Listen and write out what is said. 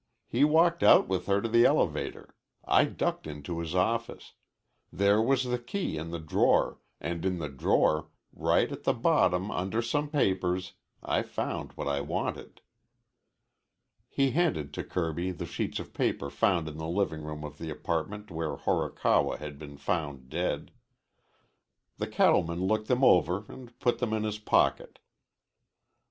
He walked out with her to the elevator. I ducked into his office. There was the key in the drawer, and in the drawer, right at the bottom under some papers, I found what I wanted." He handed to Kirby the sheets of paper found in the living room of the apartment where Horikawa had been found dead. The cattleman looked them over and put them in his pocket.